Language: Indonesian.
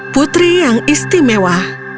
putri yang istimewa